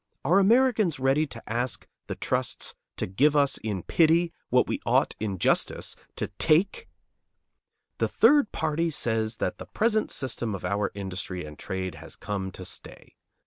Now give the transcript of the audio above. Are Americans ready to ask the trusts to give us in pity what we ought, in justice, to take? The third party says that the present system of our industry and trade has come to stay.